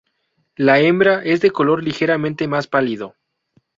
La hembra es de color ligeramente más pálido.